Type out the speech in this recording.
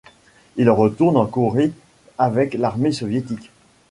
Il retourne en Corée avec l'armée soviétique.